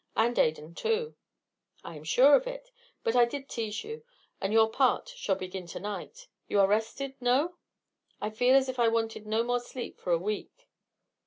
And Adan too." "I am sure of it. I did but tease you. And your part shall begin to night. You are rested, no?" "I feel as if I wanted no more sleep for a week."